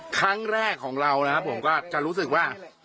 ครั้งแรกของเรานะครับผมก็จะรู้สึกว่า